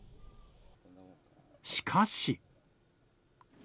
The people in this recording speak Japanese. しかし。